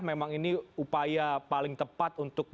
memang ini upaya paling tepat untuk